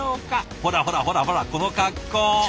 ほらほらほらほらこの格好。